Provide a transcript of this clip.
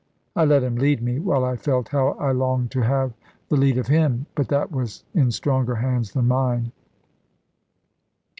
I let him lead me; while I felt how I longed to have the lead of him. But that was in stronger hands than mine.